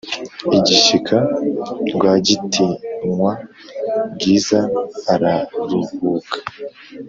igishyika rwagitinywa bwizaararuhuka